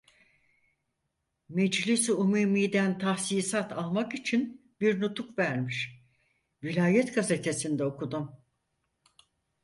Meclisi Umumi'den tahsisat almak için bir nutuk vermiş, vilayet gazetesinde okudum.